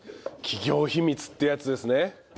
企業秘密ってやつですね。